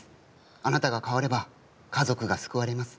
あなたが変われば家族が救われます。